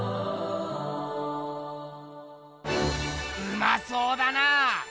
うまそうだな！